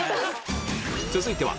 続いては